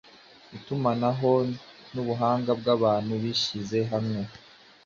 itumanaho nubuhanga bwabantu bihyize hamwe